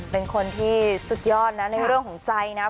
เป็นคนที่สุดยอดนะในเรื่องของใจนะ